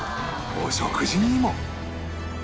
お食事にも